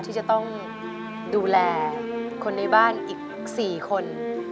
ที่จะต้องดูแลคนในบ้านอีก๔คน